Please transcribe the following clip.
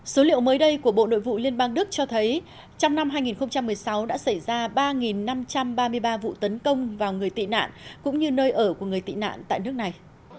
số liệu mới đây của bộ nội vụ liên bang đức cho thấy trong năm hai nghìn một mươi sáu đã xảy ra ba năm trăm ba mươi ba vụ tấn công vào người tị nạn cũng như nơi ở của người tị nạn tại nước này